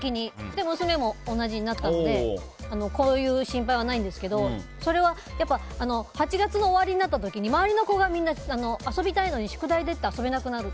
で、娘も同じになったのでこういう心配はないんですけどそれは８月の終わりになった時に周りの子がみんな遊びたいのに宿題でって遊べなくなる。